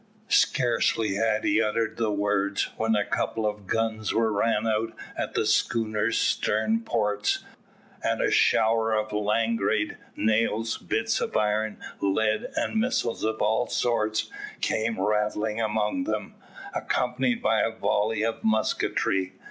Scarcely had he uttered the words, when a couple of guns were ran out at the schooner's stern ports, and a shower of langrage, nails, bits of iron, lead, and missiles of all sorts, came rattling among them, accompanied by a volley of musketry.